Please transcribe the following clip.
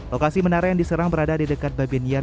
lokasi menara yang diserang berada di dekat babenian